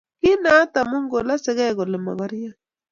Kiinaat amu kilosekei kole mokoriot